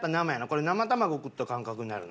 これ生卵食った感覚になるな。